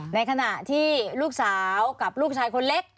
ในขณะที่ลูกสาวกับลูกชายคนเล็ก